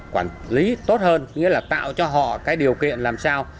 quản lý tốt hơn nghĩa là tạo cho họ cái điều kiện làm sao